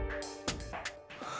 mereka pasti akan terpisah